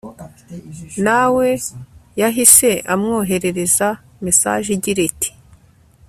nawe yahise amwoherereza message igira iti